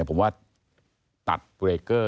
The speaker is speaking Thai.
ผมว่าตัดเบรกเกอร์